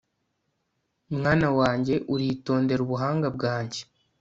mwana wanjye, uritondere ubuhanga bwanjye,